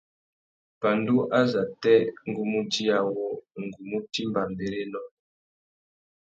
Pandú azê ngu mú djï awô, ngu mú timba mbérénó.